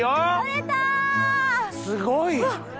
すごい。